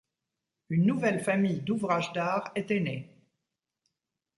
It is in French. Une nouvelle famille d’ouvrages d’art était née.